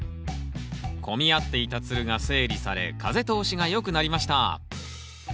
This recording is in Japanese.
混み合っていたつるが整理され風通しが良くなりました。